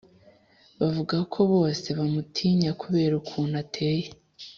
bavuga ko bose bamutinya kubera ukuntu ateye